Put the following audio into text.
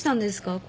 これ。